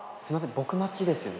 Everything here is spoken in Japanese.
僕待ちですよね？